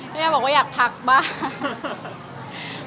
ก็อยากบอกว่าอยากพักบ้าง